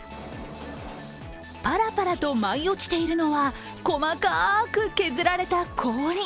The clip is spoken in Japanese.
パラパラと舞い落ちているのは細かく削られた氷。